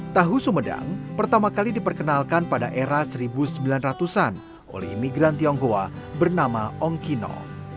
tahu sumedang pertama kali diperkenalkan pada era seribu sembilan ratus an oleh imigran tionghoa bernama ongkino